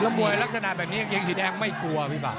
แล้วบัวลักษณะแบบนี้เกงสีแดงไม่กลัวพี่บ้า